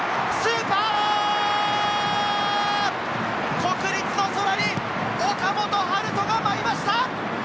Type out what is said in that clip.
国立の空に岡本温叶が舞いました！